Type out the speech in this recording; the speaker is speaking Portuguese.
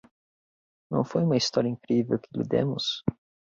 Não foi uma história incrível que lhe demos?